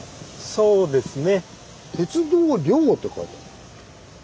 そうですね。